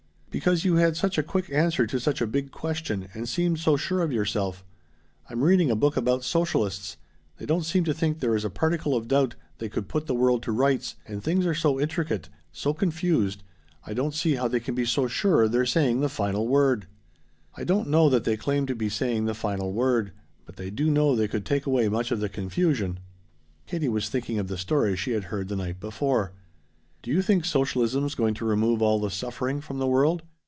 "Because you had such a quick answer to such a big question, and seemed so sure of yourself. I'm reading a book about socialists. They don't seem to think there is a particle of doubt they could put the world to rights, and things are so intricate so confused I don't see how they can be so sure they're saying the final word." "I don't know that they claim to be saying the final word, but they do know they could take away much of the confusion." Katie was thinking of the story she had heard the night before. "Do you think socialism's going to remove all the suffering from the world?